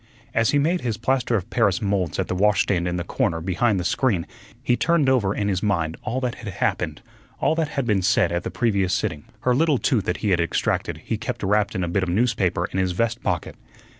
As he made his plaster of paris moulds at the washstand in the corner behind the screen he turned over in his mind all that had happened, all that had been said at the previous sitting. Her little tooth that he had extracted he kept wrapped in a bit of newspaper in his vest pocket.